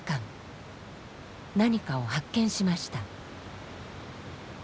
何かを発見しました。